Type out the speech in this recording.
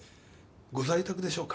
ご在宅でしょうか？